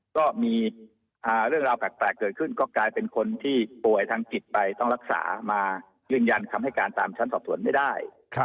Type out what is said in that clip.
ก็มีเรื่องราวแปลกเกิดขึ้นก็กลายเป็นคนที่ป่วยทางจิตไปต้องรักษามายืนยันคำให้การตามชั้นสอบสวนไม่ได้